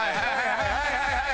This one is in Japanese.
はいはいはいはい。